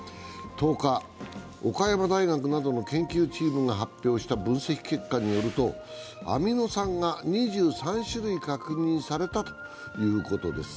１０日、岡山大学などの研究チームが発表した分析結果によるとアミノ酸が２３種類確認されたということです。